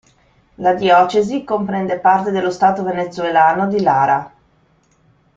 La diocesi comprende parte dello stato venezuelano di Lara.